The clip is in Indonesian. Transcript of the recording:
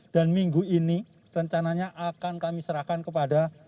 dan minggu ini rencananya akan kami serahkan kepada